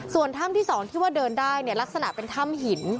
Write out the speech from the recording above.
ส่วนถ้ำที่๒ที่ว่าเดินได้เนี่ยลักษณะเป็นถ้ำหิน